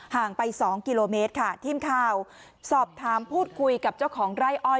ไปสองกิโลเมตรค่ะทีมข่าวสอบถามพูดคุยกับเจ้าของไร่อ้อย